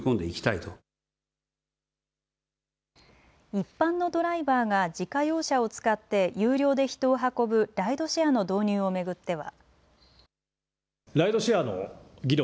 一般のドライバーが自家用車を使って有料で人を運ぶライドシェアの導入を巡っては。